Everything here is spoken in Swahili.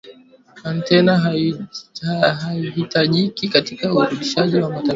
antena haihitajiki katika urushaji wa matangazo ya televisheni